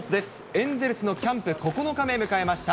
エンゼルスのキャンプ、９日目、迎えました。